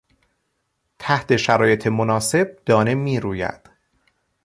تحت شرایط مناسب دانه میروید.